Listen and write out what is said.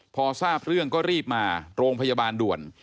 พอทราบเรื่องก็รีบมาโรงพยาบาลด่วน